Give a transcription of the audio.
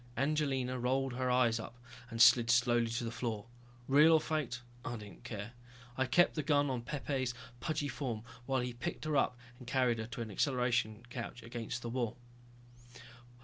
Angelina rolled her eyes up and slid slowly to the floor. Real or faked, I didn't care. I kept the gun on Pepe's pudgy form while he picked her up and carried her to an acceleration couch against the wall.